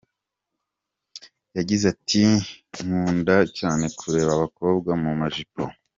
Yagize ati “Nkunda cyane kureba abakobwa mu majipo.